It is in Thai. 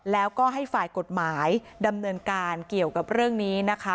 แล้วก็ให้ฝ่ายกฎหมายดำเนินการเกี่ยวกับเรื่องนี้นะคะ